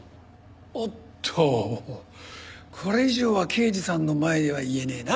おっとこれ以上は刑事さんの前では言えねえな。